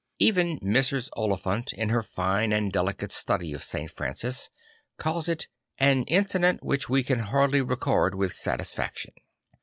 Even Irs. Oliphant, in her fine and delicate study of St. Francis, calls it II an incident which we can hardly record with satisfaction."